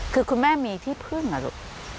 คือคุณแม่มีที่เพิ่งอรุณ